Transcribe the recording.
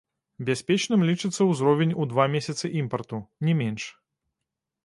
Бяспечным лічыцца ўзровень у два месяцы імпарту, не менш.